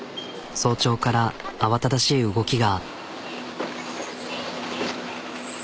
早朝から慌ただしい動きが。